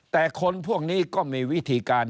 แต่คนพวกนี้ก็มีวิธีการ